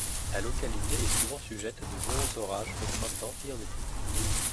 La localité est souvent sujette à de violents orages au printemps et en été.